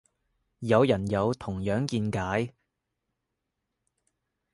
有人有同樣見解